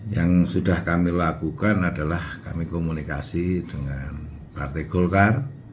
yang sudah kami lakukan adalah kami komunikasi dengan partai golkar